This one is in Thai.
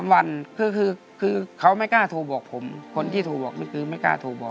วันคือเขาไม่กล้าโทรบอกผมคนที่โทรบอกนี่คือไม่กล้าโทรบอก